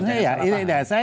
saya kan mengamati